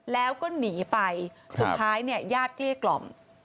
แล้วก็หนีไปสุดท้ายเนี่ยญาติเกลี้ยกล่อม